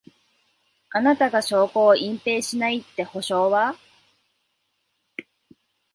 あなたが証拠を隠滅しないって保証は？